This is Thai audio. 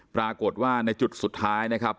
ปรากฏว่าในจุดสุดท้ายนะครับ